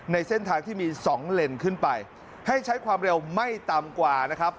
ในเส้นทางที่มีสองเลนขึ้นไปให้ใช้ความเร็วไม่ต่ำกว่านะครับ